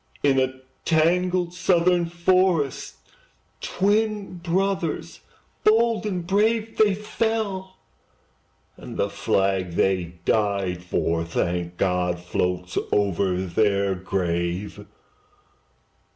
In a tangled Southern forest, Twin brothers bold and brave, They fell; and the flag they died for, Thank God! floats over their grave.